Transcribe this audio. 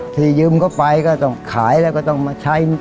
ที่ยืมเข้าไปก็ต้องขายแล้วก็ต้องมาใช้